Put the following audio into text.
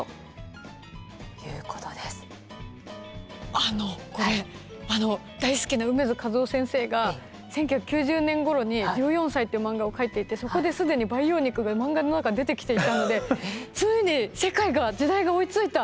あのこれ大好きな楳図かずお先生が１９９０年ごろに「１４歳」って漫画を描いていてそこで既に培養肉が漫画の中に出てきていたのでついに世界が時代が追いついた！